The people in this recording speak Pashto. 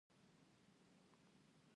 خر د سړي بارونه وړل.